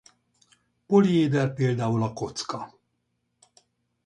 Poliéder például a kocka.